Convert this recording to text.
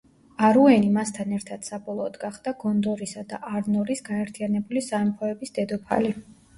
არუენი მასთან ერთად საბოლოოდ გახდა გონდორისა და არნორის გაერთიანებული სამეფოების დედოფალი.